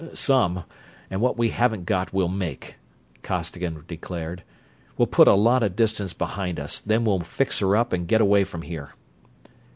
"Some and what we haven't got we'll make," Costigan declared. "We'll put a lot of distance behind us, then we'll fix her up and get away from here."